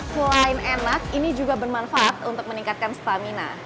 selain enak ini juga bermanfaat untuk meningkatkan stamina